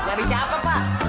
dari siapa pak